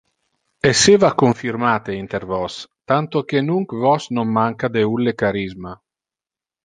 Esseva confirmate inter vos, tanto que nunc vos non manca de ulle charisma.